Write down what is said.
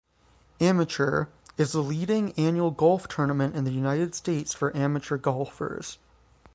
Amateur, is the leading annual golf tournament in the United States for amateur golfers.